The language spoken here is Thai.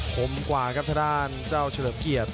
ผมกว่าครับทางด้านเจ้าเฉลิมเกียรติ